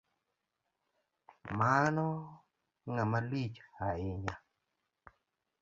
Mano ng'amalich hainya.